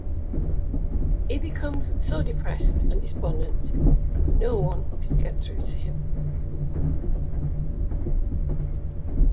He becomes so depressed and despondent, no one can get through to him.